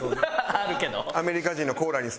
あるけど。